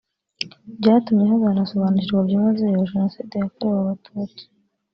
byatumye hazanasobanurwa byimazeyo Jenoside yakorewe Abatutsi